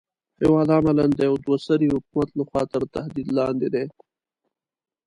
هېواد عملاً د يوه دوه سري حکومت لخوا تر تهدید لاندې دی.